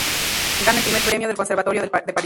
Gana el Primer Premio del Conservatorio de París.